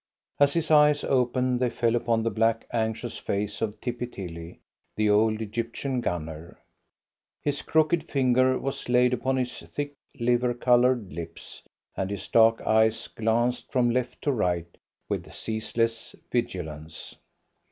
As his eyes opened they fell upon the black, anxious face of Tippy Tilly, the old Egyptian gunner. His crooked finger was laid upon his thick, liver coloured lips, and his dark eyes glanced from left to right with ceaseless vigilance.